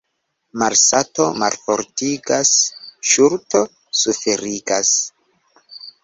Malsato malfortigas, ŝuldo suferigas.